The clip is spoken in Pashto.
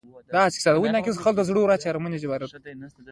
له سهاره تر ماښامه پاچاهۍ ړنګوي.